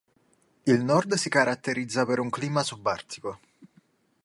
Il Nord si caratterizza per un clima subartico.